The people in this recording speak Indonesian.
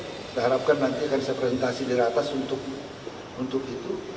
kita harapkan nanti akan saya presentasi dari atas untuk itu